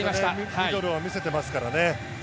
ミドルを見せていますからね。